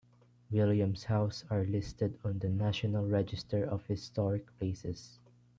Williams House are listed on the National Register of Historic Places.